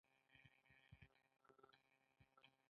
د انجمین کوتل پنجشیر او بدخشان نښلوي